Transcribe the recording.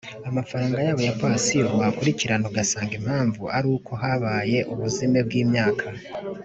Amafaranga yabo ya pansiyo wakurikirana ugasanga impamvu ari uko habaye ubuzime bw imyaka